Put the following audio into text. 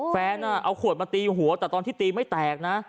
เอาขวดมาตีหัวแต่ตอนที่ตีไม่แตกนะ